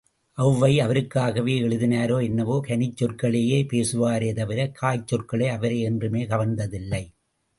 அவ்வை அவருக்காகவே எழுதினாரோ என்னவோ கனிச் சொற்களையே பேசுவாரே தவிர, காய்ச்சொற்கள் அவரை என்றுமே கவர்ந்ததில்லை.